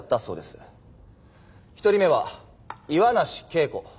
１人目は岩梨桂子。